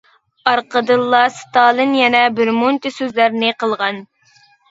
ئارقىدىنلا ستالىن يەنە بىرمۇنچە سۆزلەرنى قىلغان.